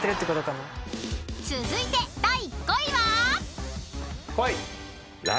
［続いて第５位は？］